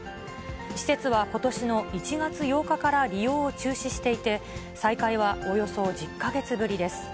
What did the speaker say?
施設はことしの１月８日から利用を中止していて、再開はおよそ１０か月ぶりです。